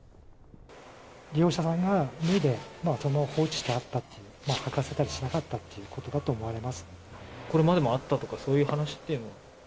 利用者さんが脱いで、そのまま放置してあったという、はかせたりしなかったということだと思これまでもあったとか、そういう話っていうのは。